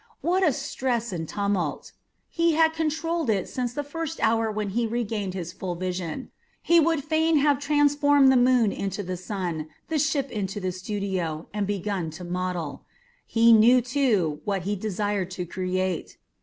What a stress and tumult! He had controlled it since the first hour when he regained his full vision. He would fain have transformed the moon into the sun, the ship into the studio, and begun to model. He knew, too, what he desired to create.